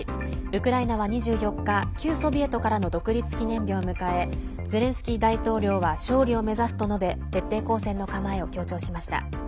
ウクライナは２４日旧ソビエトからの独立記念日を迎えゼレンスキー大統領は勝利を目指すと述べ徹底抗戦の構えを強調しました。